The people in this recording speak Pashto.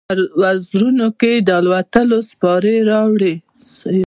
وزرونو کې، د الوتلو سیپارې راوړي